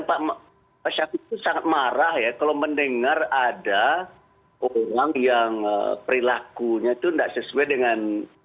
pak syafiq itu sangat marah ya kalau mendengar ada orang yang perilakunya itu tidak sesuai dengan